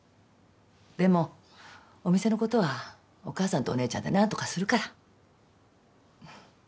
でもお店のことはお母さんとお姉ちゃんで何とかするから。